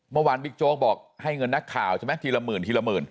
บิ๊กโจ๊กบอกให้เงินนักข่าวใช่ไหมทีละหมื่นทีละหมื่น